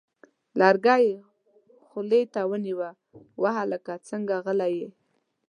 لرګی یې خولې ته ونیوه: وه هلکه څنګه غلی یې!؟